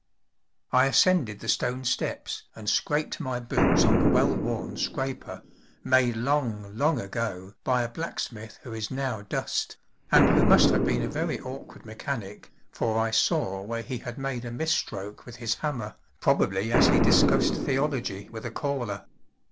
I ascended the stone steps and scraped my boots on the well worn scraper, made long, long ago by a blacksmith who is now dust, and who must have been a very awkward mechanic, for I saw where he had made a misstroke with his hammer, probably as he discussed theology with a caller.